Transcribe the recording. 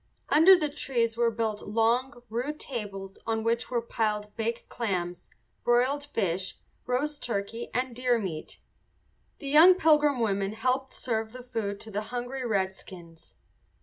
Under the trees were built long, rude tables on which were piled baked clams, broiled fish, roast turkey, and deer meat. The young Pilgrim women helped serve the food to the hungry redskins.